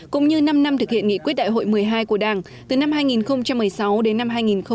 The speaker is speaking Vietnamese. cũng như năm năm thực hiện nghị quyết đại hội một mươi hai của đảng từ năm hai nghìn một mươi sáu đến năm hai nghìn hai mươi